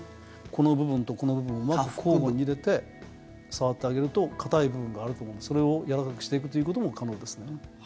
この部分とこの部分を交互に入れて触ってあげると硬い部分があると思うのでそれをやわらかくしていくということも可能ですね。